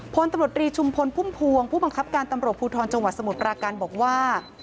พลตำรวจรีชุมพลพุ่มพวงผู้บังคับการตำรวจภูทรจังหวัดสมุทรปราการบอกว่า